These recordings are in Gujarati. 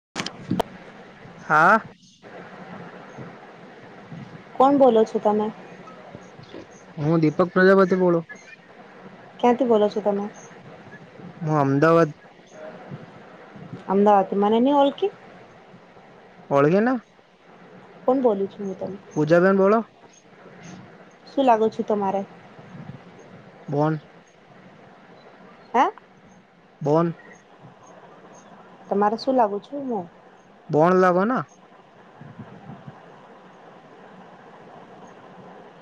[inaudible] હા [inaudible] કોણ બોલો છો તમે હું દીપક પ્રજાપતિ બોલુ ક્યાંથી બોલો છો તમે હું અમદાવાદ અમદાવાદ થી મને ની ઓળખી ઓળખીને કોણ બોલું છું. હું તમે પૂજા બેેન બોલો શું લાગો છું તમારે બોન હા બોન તમારે શું લાગું છું હું કોણ લાગો ના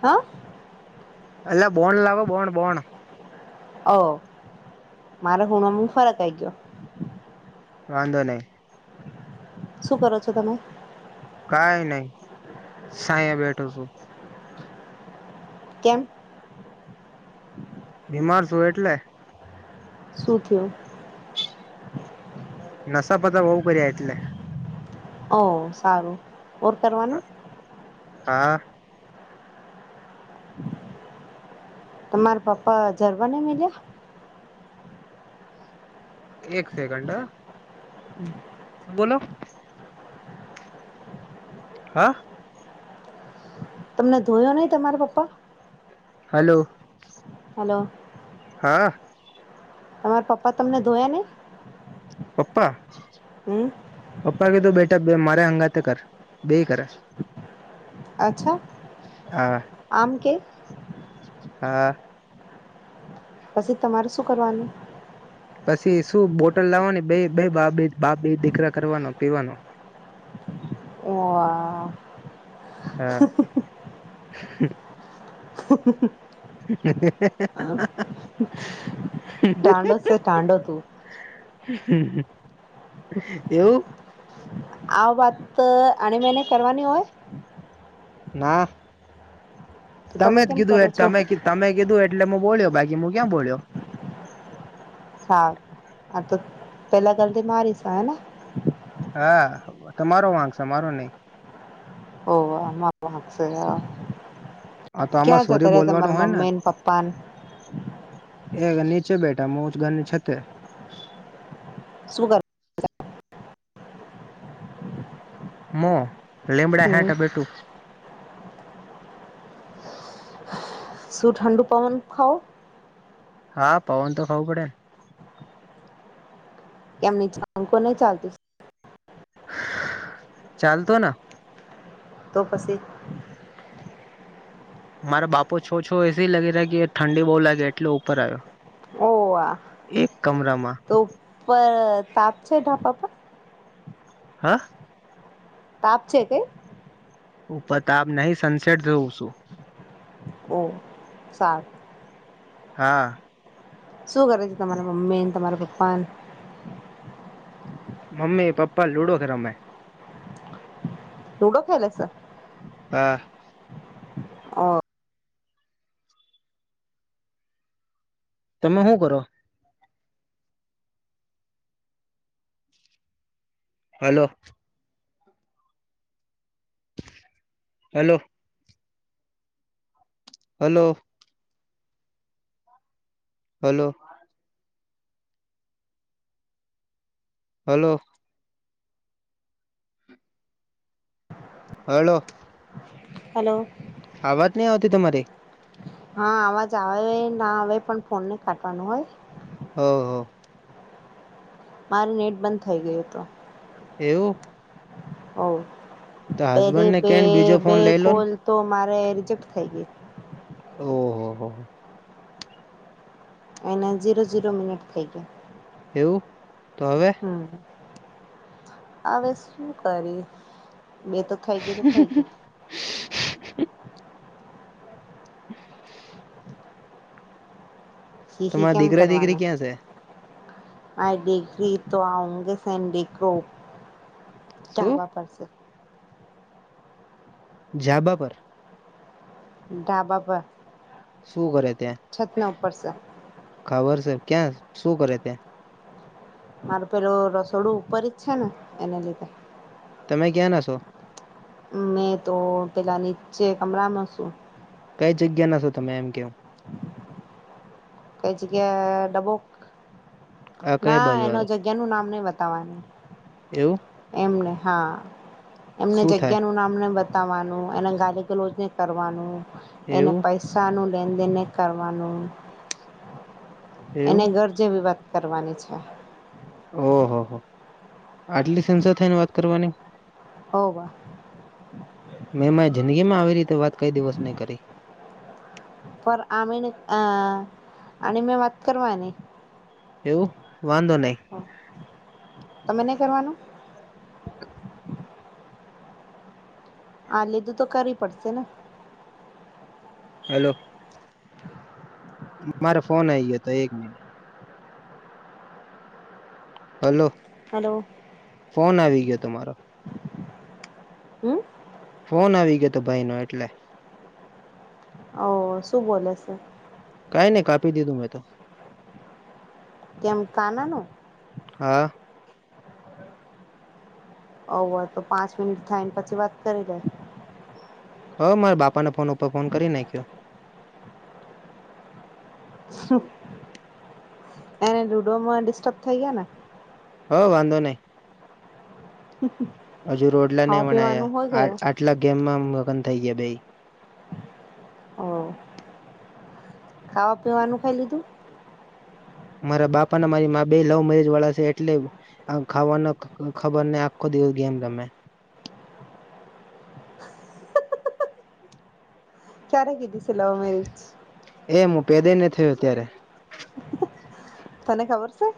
હા એલા બોન લાવો બોન બોન ઓ મારે હુણો ફરક આવી ગયો વાંધો નહી શું કરો છો તમે કઈ નહી સાંયે બેઠો છું કેમ બીમાર છું એટલે શું થયુ નસા બતા બહું કર્યા એટલે ઓ સારું ઓર કરવાનું હા તમારા પપ્પા જરબાને મીલ્યા એક સેકન્ડ બોલો હા તમને ધોયો નહી તમારા પપ્પા હાલો હાલો હા તમારા પપ્પા તમને ધોયા નહીં પપ્પા હુ પપ્પા કીધું બેટા બે મારે હંગાતે કર બે કરે અચ્છા હા આમ કે હા પછી તમારે શું કરવાનું પછી શું બોટલ લાવવાની બે બે બાપ બા દીકરા કરવાનો પીવાનો હા [unintelligible] [unintelligible] [unintelligible] હા હા હા [unintelligible] એવું આ વાત આ મને કરવાની હોય ના તો તમે જ કેમ કીધું એ કરો છો તમે તમે કીધું એટલે બોલ્યો બાકી મુ ક્યાં બોલ્યો હા હા તો પેલા ગલ્થી મારીશ હેને હા તમારો વાક છે અમારો નહી ઓહ [unintelligible] આ તો આમાં ક્યાં સોરી જતા રે બોલવાનું હોય તમારા ને મમ્મીને પપ્પાને એ નીચે બેઠા હું ઘરની છતે શું કર મો લીમડા હમ હાટે બેટું શું ઠંડુ પવન ખાઓ હા પવન તો ખાવું પડેને ની અંકો નહી ચાલતી ચાલતો ના તો પછી મારા બાપો છો છો એસી લગી રહ્યા કે ઠંડી બહુ લાગે એટલે ઉપર આવ્યો હો આ એક કમરામાં તો ઉપર તાપ છે ઢાબા પર. હ. તાપ છે કે. ઉપર તાપ નહી સનસેટ જોવું સું. ઓ સારુ. હા. શું કરે છે તમારા મમ્મી ન તમારા પપ્પા ન. મમ્મી પપ્પા લુડો રમે. લુડો ખેલે સે. હા. તમે હું કરો? Hello. Hello. Hello. Hello. Hello. Hello. Hello. આવાજ નહી આવતી તમારી? હા અવાજ આવે ના આવે પણ ફોન નહી કાટવાનું હોય. હો. મારુ નેટ બંધ થઈ ગયું હતો. એવું. ઓ તો બે હસબન્ડ ને બે કેને બીજો ફોન બે લઈ લો ને કોલ તો માં મારે રિજેક્ટ થઈ ગઈ. ઓહ હો. એના જીરો જીરો મિનિટ થઈ ગયા. એવું તો હવે. હવે શું કરીએ. બે તો થઇ ગઈ તો થઈ ગઈ. [inaudible] હી હી તમારા કેમ દીકરા દીકરી કરવાનું. ક્યાં છે આય ડિગ્રી તો આઉંગી સંડે કો. શું જાવા પડશે. ઝાબા પર ધાબા પર. શું કરે. ત્યાં છતના ઉપર છે. ખબર છે ક્યાં શું કરે ત્યા. મારુ પેલું રસોડું ઉપર જ છે ને એને લીધે. તમે ક્યાંના શો? મેં તો પેલા નીચે કમરામાં શું. કઈ જગ્યાના છો તમે એમ કેહુ. કઈ જગ્યા ડબોક આ કઈ ના બાજુ આવે એનું જગ્યાનું નામ નઈ વત તમારે એવું એમને હા એમને શું થાય જગ્યાનું નામ નઈ બતા બતાવાનું એને ગાલીગલોજ નઈ કરવાનું એને એવું પૈસાનું લેનેદેન તેને કરવાનું. એને એવું ઘર જેવી વાત કરવાની છે. ઓહ હો આટલી સિંસીઅર થઈને વાત કરવાની વાત હોવ કરવાની. મેં મારી જિંદગીમાં આવી રીતે વાત કઈ દિવસ નહી કરી. પર આમને અ અને મેં વાત કરવાની એવું વાંધો નહી તમે નહીં કરવાનું [inaudible] આ લીધું તો કરવી પડશે ને હલો મારે ફોન આવી ગયો હતો એક મિનિટ હલો હેલો ફોન આવી ગયો તમારો હુ ફોન આવી ગયો હતો ભાઈ નો એટલે ઓ શું બોલે છે. કઈ નહી કાપી દીધું મેં તો કેમ કાનાનું હા ઓ તો પાંચ મિનિટ થાયને પછી વાત કરી દે હ મારા બાપાને ફોન ઉપર ફોન કરી નાખ્યો એને લુડોમાં ડિસ્ટર્બ થઈ ગયા ને હો વાંધો નહી હજુ રોડલા ને ખાવા મનાયા પીવાનું હોઈ આ ગયું આટલા ગેમમાં મગન થઈ ગયા બેઈ અ ખાવા પીવાનું ખાઈ લીધું મારા બાપાને મારી મા બે લવ મેરેજ વાળા છે એટલે ખાવાનો તો ખબર ને આખો દિવસ ગેમ ગમે [inaudible] ક્યારે કીધી છે લવ મેરેજ પેદેને થયો ત્યારે તને ખબર છે.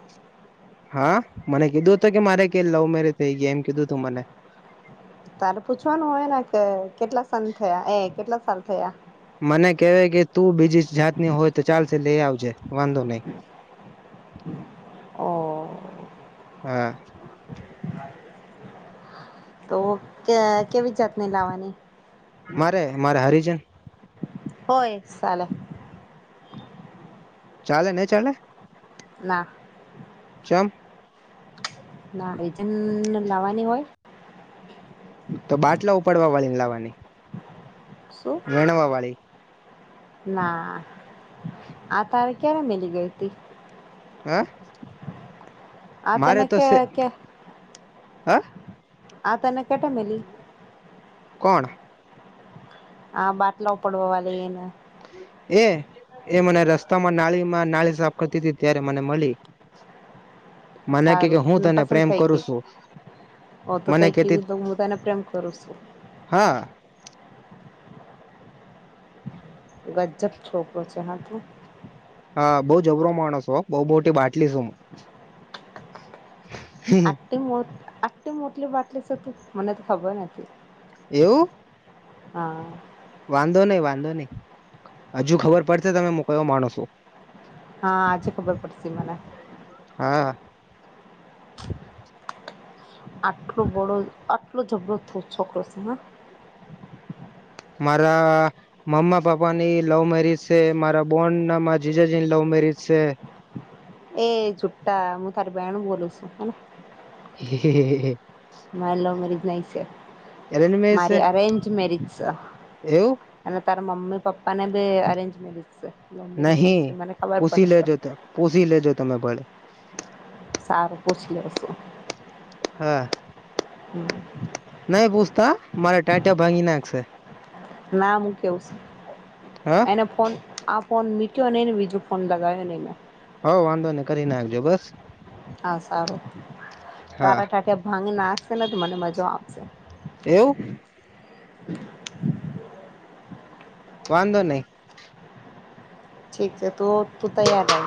હા મને કીધું હત કે મારે કે લવ મેરેજ થઈ ગયા એમ કીધું હતું મને તારે પૂછવાનું હોય ને કે કેટલા સાન થયા એ કેટલા સાલ થયા. મને કેવાય કે તું બીજી જાતની હોય તો ચાલશે લઈ આવજે વાંધો નઈ ઓ હા કે કેવી જાતની લાવાની મારે મારે હરિજન હોય ચાલે ચાલે નહી ચાલે. ના જમપ ના એજ લાવવાની હોય. તો બાટલા ઉપાડવા વાળીને લાવવાની શું વેણવાવાળી ના આ તારે ક્યારે મિલી ગઈ હતી હે આ તને કે કે હે આ તને કેટેમીલી કોણ આ બાટલા પડવા વાળી એને એ એ મને રસ્તામાં નાળીમાં નાળી સાફ કરતી હતી ત્યારે મને મલી સારું તને પસંદ પ્રેમ થઈ કરું ગઈ છું ઓ તો મને કંઈ કેતી કીધું તો હું તને પ્રેમ કરુ છું. હા ગજજબ છોકરો આતો હા બહ જબરો માણસો બહુ મોટી બાટલી છું. આટી મો આટી મોટલી બાટલી છે તું મને તો ખબર નથી. એવું હા વાંધો નઈ વાંધો ની હજુ ખબર પડશે તમે મો કયો માણસ છું હા આજે ખબર પડશે મને [unintelligible] આટલો બધો આટલો જઝબડો થું છોકરો છે હ મારા મમ્મા પાપ્પાની લવ મેરીજ છે મારા બોન્ડ નામાં જીજાજીની લવ મેરીજ છે. એ જુઠઠા હું તારી બહેણ બોલું છું હે [unintelligible] મારી લોવ મેરીજ નહી છે અરેન્જ મેરેજ છે મારી અરેન્જ મેરિજ છે. એવું અને તારા મમ્મી પપ્પા ને બી અરેન્જ મેરેજ છે લવ મેરેજ નહી છે મને ખબર પોસી પડશે લેજો પોસી લેજો તમે ભળે સારું પૂછી લેવ છું. હા હમ નય પૂછતા મારા ટાંટ્યા ભાંગી નાખશે ના હું કેવું છું હા એને ફોન આ ફોન મનીક્યો નહી ને બીજો ફોન લગાવ્યો એને હ વાંધો નઈ કરી નાખજો બસ હા સારું હા તારા ટાટિયા ભાંગી નાખશે ને તો મને મજા આવશે એવું વાંધો નઈ ઠીક છે તો તું તૈયાર રા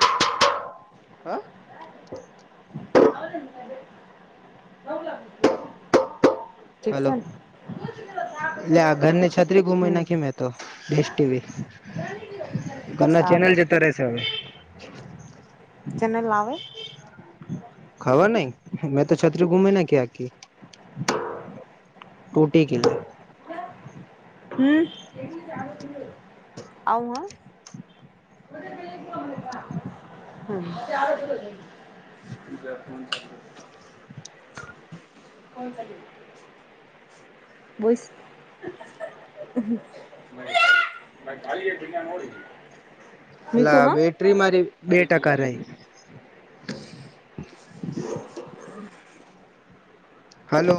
હા ઠીક હલો છે ને લે આ ઘરની છત્રી ગુમી હમ નાખી મે તો ટીવી ઘરના ચેનલ સારું જતો રહેેશે અવે ચેનલ આવે ખબર નઈ મેં તો છત્રી ઘૂમી નાખી આખી ટૂટી ગેય હમ આવુ હ [unintelligible] બુસ મીકુ અલા હા બેટરી મારી બે ટકા રય [unintelligible] હલો